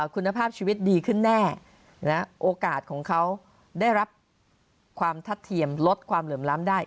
คุณภาพชีวิตดีขึ้นแน่โอกาสของเขาได้รับความทัดเทียมลดความเหลื่อมล้ำได้